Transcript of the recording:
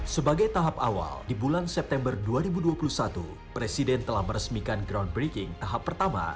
sebagai tahap awal di bulan september dua ribu dua puluh satu presiden telah meresmikan groundbreaking tahap pertama